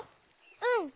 うん。